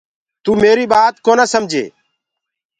تو ميريٚ ٻآت ڪونآ سمجي۔